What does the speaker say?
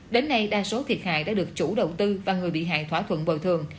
đến nay đa số thiệt hại đã được chủ đầu tư và người bị hại thỏa thuận bồi thường